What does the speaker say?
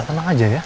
tenang aja ya